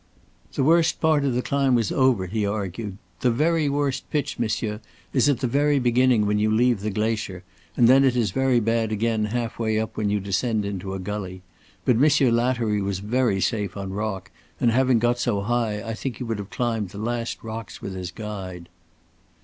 "The worst part of the climb was over," he argued. "The very worst pitch, monsieur, is at the very beginning when you leave the glacier, and then it is very bad again half way up when you descend into a gully; but Monsieur Lattery was very safe on rock, and having got so high, I think he would have climbed the last rocks with his guide."